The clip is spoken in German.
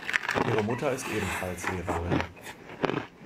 Ihre Mutter ist ebenfalls Lehrerin.